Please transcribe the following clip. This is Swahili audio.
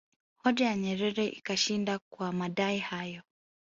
Hoja ya Nyerere ikashinda kwa madai hayo